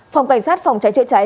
phòng cảnh sát phòng trái trợ trái